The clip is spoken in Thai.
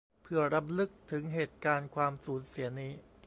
เพื่อรำลึกถึงเหตุการณ์ความศูนย์เสียนี้